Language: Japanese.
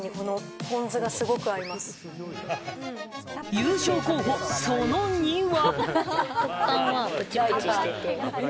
優勝候補、その２は。